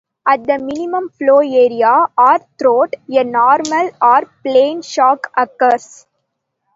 At the minimum flow area, or throat, a normal or plane shock occurs.